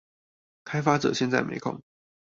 開發者現在沒空